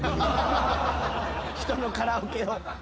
人のカラオケを。